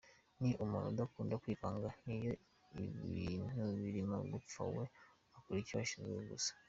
Ni umuntu udakunda kwivanga , n’iyo ibintu birimo gupfa we akora icyo ashinzwe gusa.